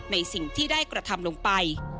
ในสิ่งที่ได้กระทำลงไป